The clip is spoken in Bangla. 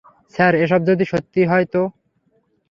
স্যার, এসব যদি সত্যি হয়, তো?